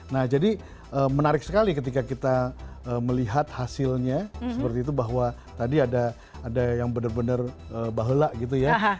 nah jadi menarik sekali ketika kita melihat hasilnya seperti itu bahwa tadi ada yang benar benar bahela gitu ya